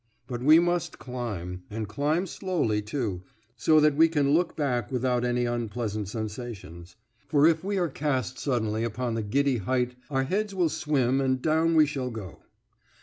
But we must climb, and climb slowly too, so that we can look back without any unpleasant sensations; for if we are cast suddenly upon the giddy height our heads will swim and down we shall go.